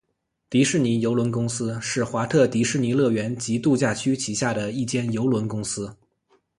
迪士尼邮轮公司是华特迪士尼乐园及度假区旗下的一间邮轮公司。